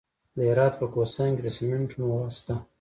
د هرات په کهسان کې د سمنټو مواد شته.